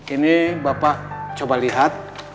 ini bapak coba lihat